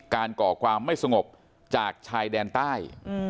ก่อความไม่สงบจากชายแดนใต้